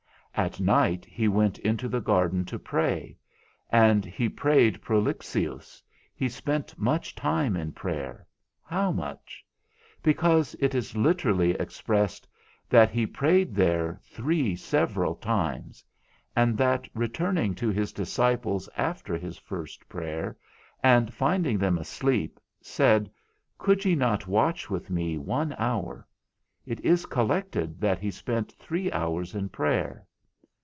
At night he went into the garden to pray, and he prayed prolixious, he spent much time in prayer, how much? Because it is literally expressed, that he prayed there three several times, and that returning to his disciples after his first prayer, and finding them asleep, said, Could ye not watch with me one hour, it is collected that he spent three hours in prayer.